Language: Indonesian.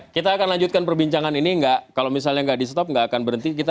kita akan lanjutkan perbincangan ini kalau misalnya nggak di stop nggak akan berhenti